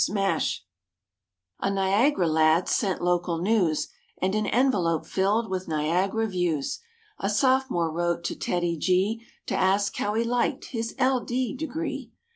9 4 Niagara lad sent local news And an envelope filled with Niagara views. A sophomore wrote to TEDDY G To ask how he liked his L D degree.